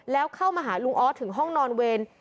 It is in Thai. แล้วเข้ามาหาลุงออสถึงห้องนอนเวร